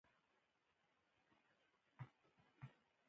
کوټه يې صفا کوله.